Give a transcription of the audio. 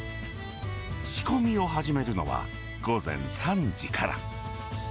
仕込みを始めるのは、午前３時から。